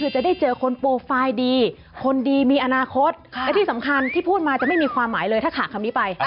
จะได้เจอคนโปรไฟล์ดีคนดีมีอนาคตและที่สำคัญที่พูดมาจะไม่มีความหมายเลยถ้าขาดคำนี้ไป